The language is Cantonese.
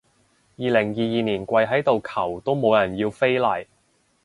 二零二二年跪喺度求都冇人要飛嚟